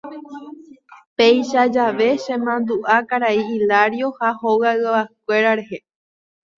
Péicha jave chemandu'a karai Hilario ha hogayguakuéra rehe.